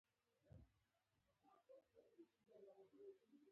يو” ميرويس ” په موږکی نشته، چی ګر ګين لاری ته سم کړی